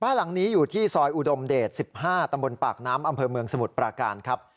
บ้านหลังนี้อยู่ที่ซอยอุดมเดช๑๕ตำบลปากน้ำอำเภอเมืองสมุทรปราการครับ